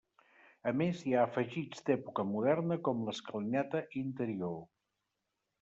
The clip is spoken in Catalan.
A més, hi ha afegits d'època moderna com l'escalinata interior.